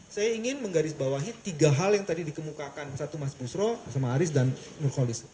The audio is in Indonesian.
saya ingin menggarisbawahi tiga hal yang tadi dikemukakan satu mas busro sama aris dan nurholis